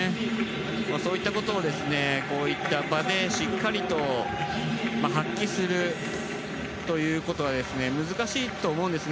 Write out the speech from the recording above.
そういったことをこういった場でしっかりと発揮するということが難しいと思うんですね。